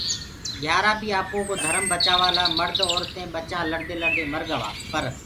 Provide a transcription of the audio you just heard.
گھيآرآ بيٚ آپوڪو ڌرم بچآوآ لآ مڙد اورتينٚ ٻچآ لڙدي لڙدي مرگوآ پر